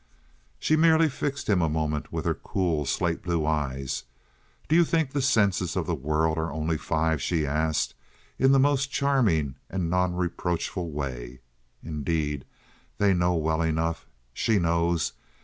She merely fixed him a moment with her cool, slate blue eyes. "Do you think the senses of the world are only five?" she asked, in the most charming and non reproachful way. "Indeed, they know well enough. She knows."